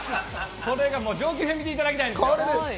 上級編見ていただきたいんですよ。